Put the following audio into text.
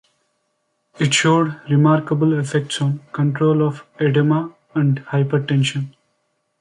It showed remarkable effects on control of edema and hypertension.